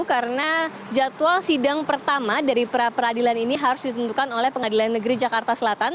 karena jadwal sidang pertama dari pra peradilan ini harus ditentukan oleh pengadilan negeri jakarta selatan